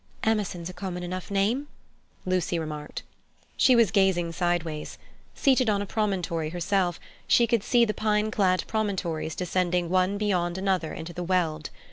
"Emerson's a common enough name," Lucy remarked. She was gazing sideways. Seated on a promontory herself, she could see the pine clad promontories descending one beyond another into the Weald.